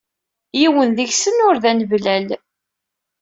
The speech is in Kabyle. Yiwen deg-sen ur d aneblal.